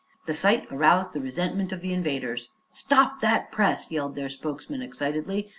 The sight aroused the resentment of the invaders. "Stop that press!" yelled their spokesman excitedly.